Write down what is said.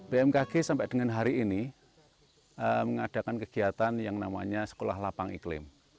bmkg sampai dengan hari ini mengadakan kegiatan yang namanya sekolah lapang iklim